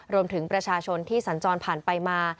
รวมถึงประชาชนที่สัญจรผ่านไปมา